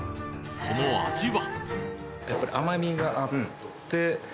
その味は？